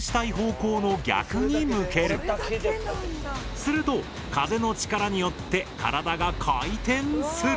すると風の力によって体が回転する。